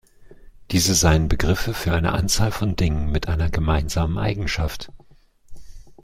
Diese seien Begriffe für eine Anzahl von Dingen mit einer gemeinsamen Eigenschaft.